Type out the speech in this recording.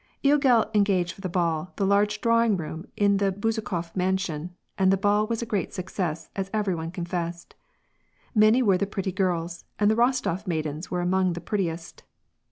logel engaged for the ball the large drawing room in the Bezukhof mansion, and the ball was a great success, as every one confessed. Many were the pretty girls, and the Rostof maidens were among the prettiest.